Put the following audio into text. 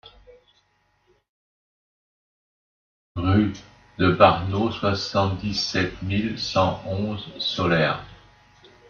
Rue de Barneau, soixante-dix-sept mille cent onze Solers